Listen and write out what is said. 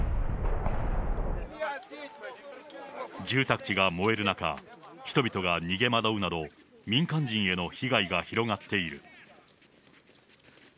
住宅地が燃える中、人々が逃げ惑うなど、民間人への被害が広がっている。